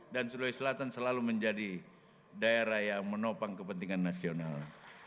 dan sulawesi selatan selalu menjadi daerah yang menopang kepentingan nasional